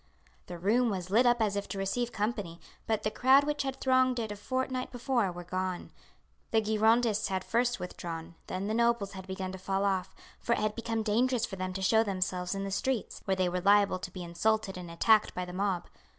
The room was lit up as if to receive company, but the crowd which had thronged it a fortnight before were gone. The Girondists had first withdrawn, then the nobles had begun to fall off, for it had become dangerous for them to show themselves in the streets, where they were liable to be insulted and attacked by the mob.